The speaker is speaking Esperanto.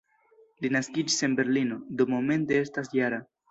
Li naskiĝis en Berlino, do momente estas -jara.